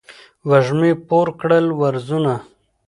وږمې پور کړل وزرونه